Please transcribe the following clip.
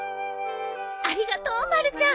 ありがとうまるちゃん。